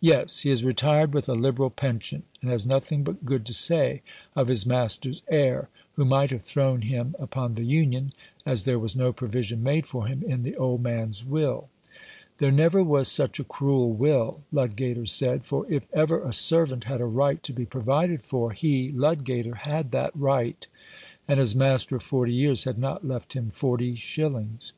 "Yes, he has retired with a liberal pension, and has nothing but good to say of his master's heir, who might have thrown him upon the Union, as there was no provision made for him in the old man's will. There never was such a cruel will, Ludgater said, for if ever a servant had a right to be provided for, he — Ludgater — had that right, and his master of forty years had not left him forty shillings.